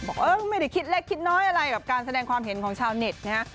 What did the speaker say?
บอกเออไม่ได้คิดเล็กคิดน้อยอะไรกับการแสดงความเห็นของชาวเน็ตนะฮะ